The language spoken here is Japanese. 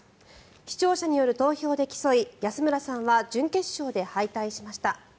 視聴者による投票で競い安村さんは準決勝で敗退しました。